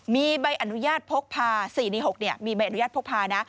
มีใบอนุญาตพกพา๔ใน๖มีใบอนุญาตพกพานะ